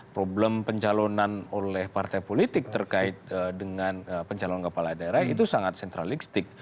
problem pencalonan oleh partai politik terkait dengan pencalon kepala daerah itu sangat sentralistik